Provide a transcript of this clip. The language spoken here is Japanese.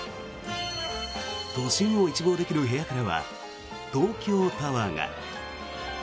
都心を一望できる部屋からは東京タワーが。